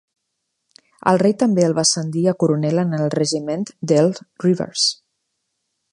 El rei també el va ascendir a coronel en el regiment d'Earl Rivers.